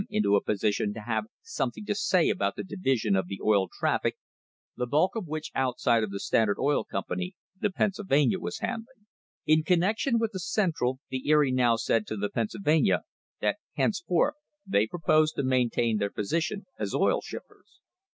THE HISTORY OF THE STANDARD OIL COMPANY position to have something to say about the division of the oil traffic, the bulk of which outside of the Standard Oil Company the Pennsylvania was handling. In connection with the Central the Erie now said to the Pennsylvania that hence forth they proposed to maintain their position as oil shippers.